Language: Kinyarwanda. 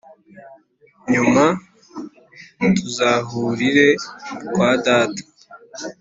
nyuma! tuzahurire kwa data